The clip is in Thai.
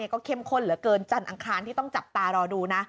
ก็เข้มข้นเหลือเกินจันทร์อังคารที่ต้องจับตารอดูนะ